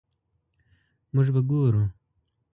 مونږ به ګورو